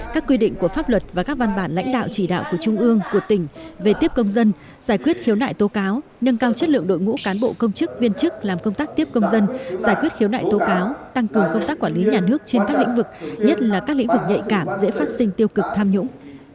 các quy định của pháp luật và các văn bản lãnh đạo chỉ đạo của trung ương của tỉnh về tiếp công dân giải quyết khiếu nại tố cáo nâng cao chất lượng đội ngũ cán bộ công chức viên chức làm công tác tiếp công dân giải quyết khiếu nại tố cáo tăng cường công tác quản lý nhà nước trên các lĩnh vực nhất là các lĩnh vực nhạy cảm dễ phát sinh tiêu cực tham nhũng